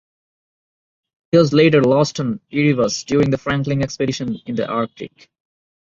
He was later lost on "Erebus" during the Franklin Expedition in the Arctic.